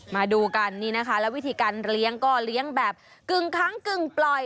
มาดูกันนี่นะคะแล้ววิธีการเลี้ยงก็เลี้ยงแบบกึ่งค้างกึ่งปล่อย